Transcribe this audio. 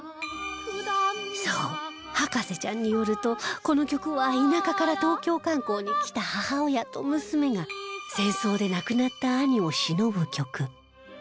そう、博士ちゃんによるとこの曲は、田舎から東京観光に来た母親と娘が戦争で亡くなった兄を偲ぶ曲